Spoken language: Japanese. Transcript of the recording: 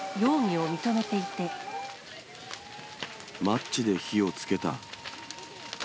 マッチで火をつけた。